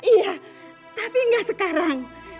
iya tapi nggak sekarang